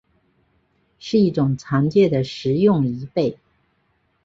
是一种常见的食用贻贝。